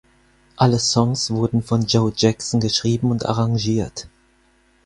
Alle Songs wurden von Joe Jackson geschrieben und arrangiert.